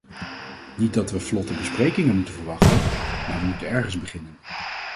Niet dat we vlotte besprekingen moeten verwachten, maar we moeten ergens beginnen.